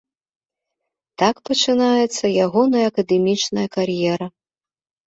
Так пачынаецца ягоная акадэмічная кар'ера.